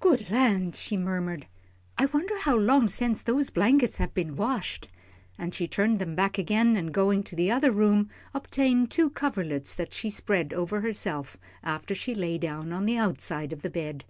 "Good land!" she murmured, "I wonder how long sence those blankets has been washed?" and she turned them back again, and, going to the other room, obtained two coverlets that she spread over herself, after she lay down on the outside of the bed.